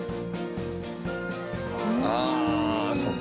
ああそっか。